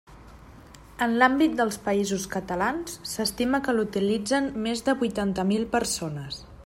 En l'àmbit dels Països Catalans, s'estima que l'utilitzen més de vuitanta mil persones.